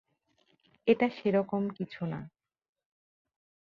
এটা সেরকম কিছু না।